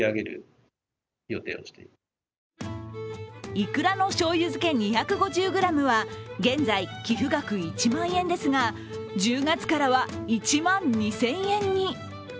いくらの醤油漬け２５０ｇは現在、寄付額１万円ですが、１０月からは１万２０００円に。